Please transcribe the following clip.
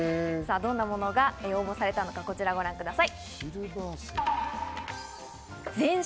どんなものが応募されたのか、こちらをご覧ください。